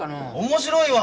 面白いわ！